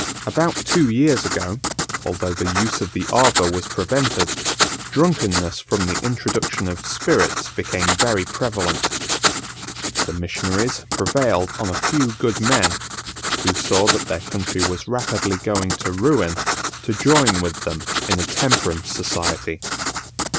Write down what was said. About two years ago, although the use of the ava was prevented, drunkenness from the introduction of spirits became very prevalent. The missionaries prevailed on a few good men, who saw that their country was rapidly going to ruin, to join with them in a Temperance Society.